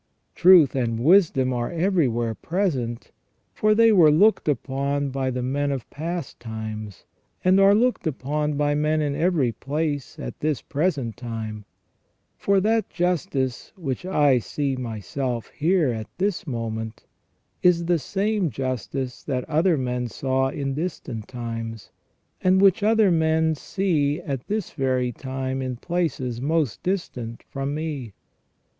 Truth and wisdom are everywhere present, for they were looked upon by the men of past times, and are looked upon by men in every place at this present time ; for that justice which I see myself here at this rnoment, is the same justice that other men saw in distant times, and which other men see at this very time in places most distant from me.